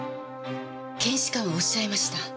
検視官はおっしゃいました。